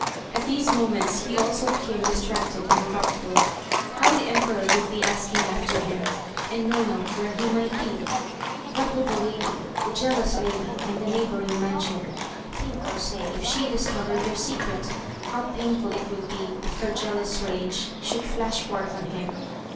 At these moments he also became distracted and thoughtful. How the Emperor would be asking after him, and know not where he might be! What would the lady, the jealous lady, in the neighboring mansion think or say if she discovered their secret? How painful it would be if her jealous rage should flash forth on him!